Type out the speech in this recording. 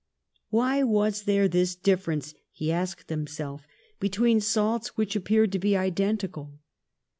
Why was there this difference, he asked him self, between salts which appeared to be identi cal?